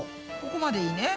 ここまでいいね。